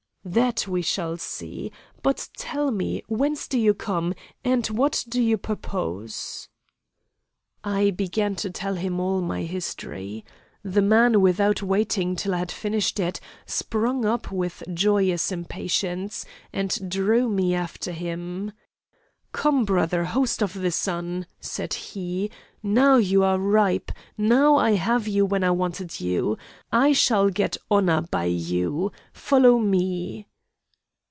"'That we shall see. But tell me, whence do you come, and what do you purpose?' "I began to tell him all my history. The man, without waiting till I had finished it, sprung up with joyous impatience, and drew me after him. 'Come, brother host of the Sun,' said he, 'now you are ripe, now I have you when I wanted you. I shall get honour by you. Follow me.